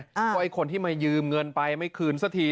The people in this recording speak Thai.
เพราะไอ้คนที่มายืมเงินไปไม่คืนสักที